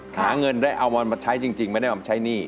หาเงินได้เอามาใช้จริงไม่ได้เอามาใช้หนี้